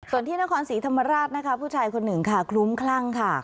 ส่วนที่นครศรีธรรมราชนะคะผู้ชายคนหนึ่งค่ะคลุ้มคลั่งค่ะ